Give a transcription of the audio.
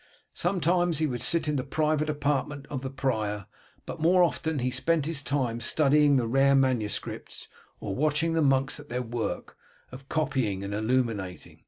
Sometimes he would sit in the private apartment of the prior, but more often he spent his time studying the rare manuscripts, or watching the monks at their work of copying and illuminating.